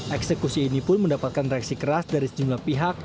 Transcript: eksekusi ini pun mendapatkan reaksi keras dari sejumlah pihak